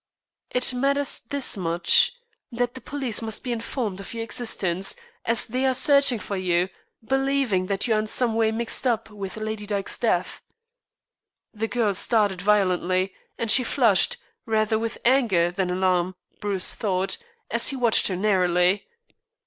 "It matters this much that the police must be informed of your existence, as they are searching for you, believing that you are in some way mixed up with Lady Dyke's death." The girl started violently, and she flushed, rather with anger than alarm, Bruce thought, as he watched her narrowly.